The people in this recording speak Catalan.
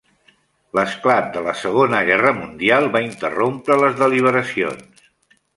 L'esclat de la II Guerra Mundial va interrompre les deliberacions.